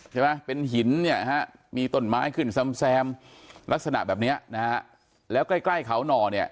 ใช่ไหมมีต้นไม้ขึ้นทำลักษณะแบบนี้แล้วกล้าเกล้าเขาหน่อ